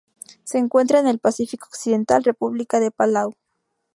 Se encuentra en el Pacífico occidental: República de Palau.